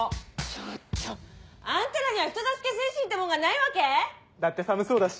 ちょっとあんたらには人助け精神ってもんがないわけ⁉だって寒そうだし。